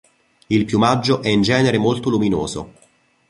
Il piumaggio è in genere molto luminoso.